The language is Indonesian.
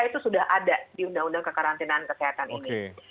itu sudah ada di undang undang kekarantinaan kesehatan ini